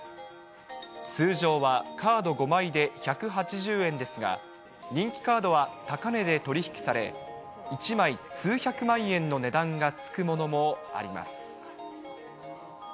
通常はカード５枚で１８０円ですが、人気カードは高値で取り引きされ、１枚数百万円の値段がつくものもあります。